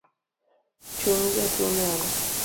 Chung jatuo malo